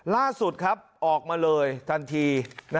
ล่าสุดออกมาเลยทันที